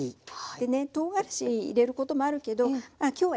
でねとうがらし入れることもあるけど今日は入れないで。